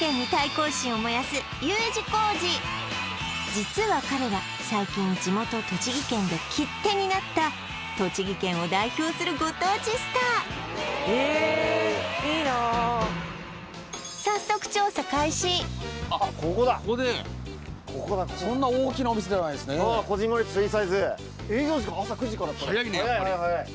実は彼ら最近地元栃木県で切手になった栃木県を代表するご当地スターえっいいな早速あっここだここだここあっここでうんこぢんまりとしたいいサイズ営業時間朝９時から早い早い早い早いね